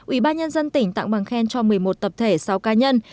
ủy ban nhân dân tỉnh tặng bằng khen cho một mươi một tập thể sáu cá nhân